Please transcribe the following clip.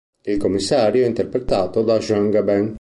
Il commissario è interpretato da Jean Gabin.